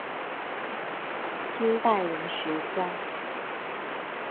清代文学家。